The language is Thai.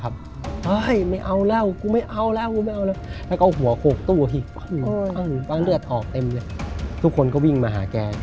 เบยเรื่องวาย